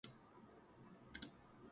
通往香港的航班